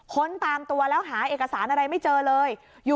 ค้นตามตัวแล้วหาเอกสารอะไรไม่เจอเลย